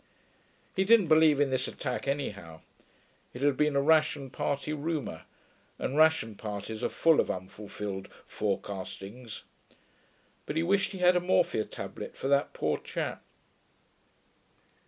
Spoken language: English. He didn't believe in this attack, anyhow. It had been a ration party rumour, and ration parties are full of unfulfilled forecastings. But he wished he had a morphia tablet for that poor chap....